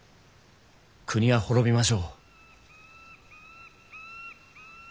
国は亡びましょう。